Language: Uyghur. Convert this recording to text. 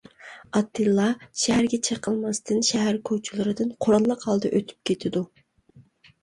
ئاتتىلا شەھەرگە چېقىلماستىن شەھەر كوچىلىرىدىن قوراللىق ھالدا ئۆتۈپ كېتىدۇ.